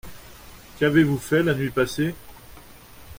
Qu’avez-vous fait la nuit passée ?